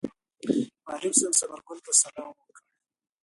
معلم صاحب ثمر ګل ته سلام وکړ.